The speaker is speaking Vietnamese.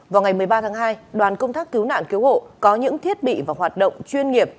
vào ngày một mươi ba tháng hai đoàn công tác cứu nạn cứu hộ có những thiết bị và hoạt động chuyên nghiệp